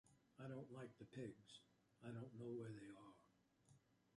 I don't like the pigs. I don't know where they are.